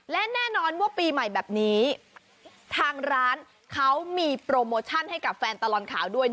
และแน่นอนว่าปีใหม่แบบนี้ทางร้านเขามีโปรโมชั่นให้กับแฟนตลอดข่าวด้วย